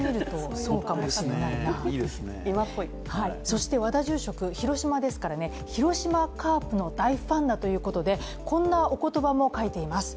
そして和田住職、広島ですから広島カープの大ファンだということでこんなお言葉も書いています。